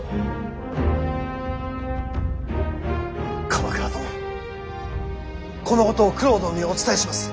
鎌倉殿このことを九郎殿にお伝えします。